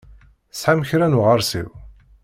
Tesɛam kra n uɣeṛsiw?